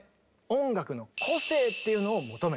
音楽の個性っていうのを求めた。